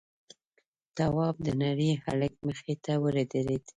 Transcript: تواب د نري هلک مخې ته ودرېد: